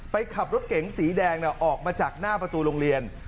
ขับรถเก๋งสีแดงออกมาจากหน้าประตูโรงเรียน